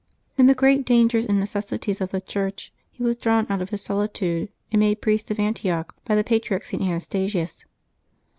In the great dangers and necessities of the Church he was drawn out of his solitude, and made priest of Antioch by the patriarch St. Anastasius.